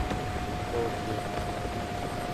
توصیهنامه